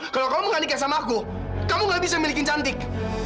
kalau kamu enggak nikah sama aku kamu enggak bisa memiliki cantik